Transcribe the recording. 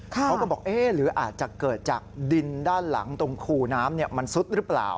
เขาก็บอกเอ๊ะหรืออาจจะเกิดจากดินด้านหลังตรงคูน้ำมันซุดหรือเปล่า